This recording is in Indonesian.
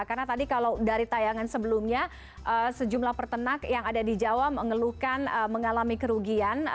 karena tadi kalau dari tayangan sebelumnya sejumlah peternak yang ada di jawa mengeluhkan mengalami kerugian